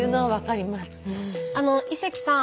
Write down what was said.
あの伊関さん。